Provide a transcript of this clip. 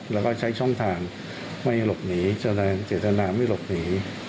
แล้วก็ใช้ช่องทางไม่หลบหนีแสดงเจตนาไม่หลบหนี